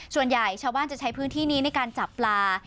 ส่วนใหญ่ชาวบ้านจะใช้พื้นที่นี้ในการจับปลา